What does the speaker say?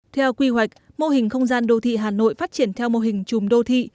theo quy hoạch mô hình không gian đô thị hà nội phát triển theo mô hình chùm đô thị